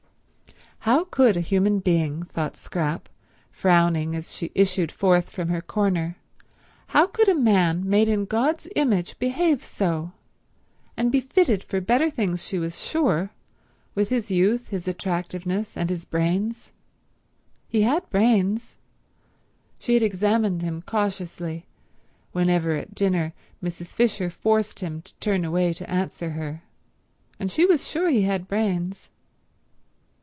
How could a human being, thought Scrap, frowning as she issued forth from her corner, how could a man made in God's image behave so; and be fitted for better things she was sure, with his youth, his attractiveness, and his brains. He had brains. She had examined him cautiously whenever at dinner Mrs. Fisher forced him to turn away to answer her, and she was sure he had brains.